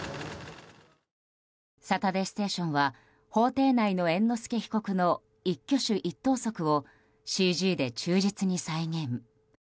「サタデーステーション」は法廷内の猿之助被告の一挙手一投足をＣＧで忠実に再現。